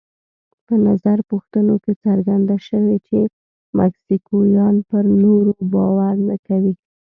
په نظر پوښتنو کې څرګنده شوې چې مکسیکویان پر نورو باور نه کوي.